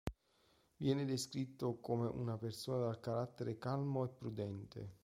Viene descritto come una persona dal carattere calmo e prudente.